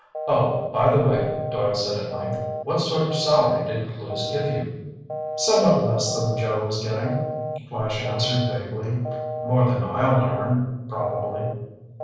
"Oh, by the way," Doyle said at length, "what sort of salary did Clewes give you?" "Somewhat less than Joe was getting," Flash answered vaguely. "More than I'll earn probably."